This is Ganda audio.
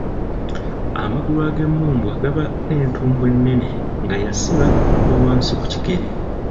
Amagulu ag'emmumbwa gaba n’entumbwe nnene nga yasiba okuva wansi ku kigere.